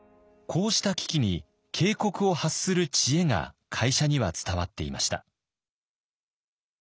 こうした危機に警告を発する知恵が会社には伝わっていました。